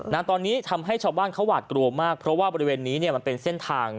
นะตอนนี้ทำให้ชาวบ้านเขาหวาดกลัวมากเพราะว่าบริเวณนี้เนี่ยมันเป็นเส้นทาง